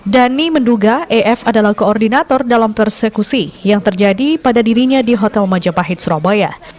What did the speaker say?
dhani menduga ef adalah koordinator dalam persekusi yang terjadi pada dirinya di hotel majapahit surabaya